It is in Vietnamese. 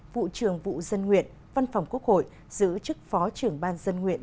vụ trưởng vụ dân nguyện văn phòng quốc hội giữ chức phó trưởng ban dân nguyện